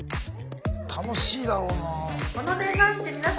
楽しいだろうなぁ。